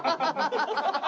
ハハハハ！